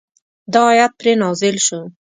دا آیت پرې نازل شو.